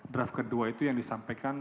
draft kedua itu yang disampaikan